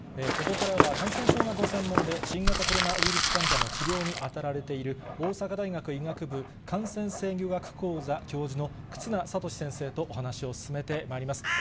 ここからは感染症がご専門で、新型コロナウイルス患者の治療に当たられている、大阪大学医学部感染制御学講座教授の忽那賢志先生とお話を進めてまいります。